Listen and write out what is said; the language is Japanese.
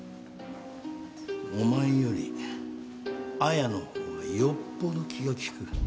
お前より綾の方がよっぽど気が利く。